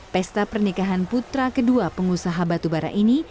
pesta pernikahan putra kedua pengusaha batubara ini